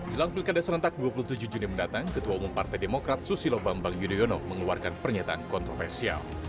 jelang pilkada serentak dua puluh tujuh juni mendatang ketua umum partai demokrat susilo bambang yudhoyono mengeluarkan pernyataan kontroversial